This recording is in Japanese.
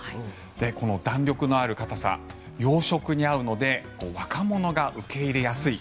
この弾力のある硬さ洋食に合うので若者が受け入れやすい。